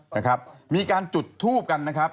นะครับมีการจุดทูบกันนะครับ